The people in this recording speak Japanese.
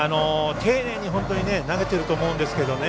丁寧に本当に投げていると思うんですけどね。